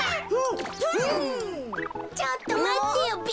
ちょっとまってよべ。